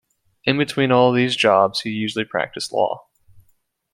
In between all of these jobs, he usually practiced law.